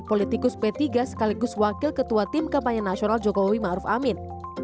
politikus p tiga sekaligus wakil ketua tim kampanye nasional jokowi ⁇ maruf ⁇ amin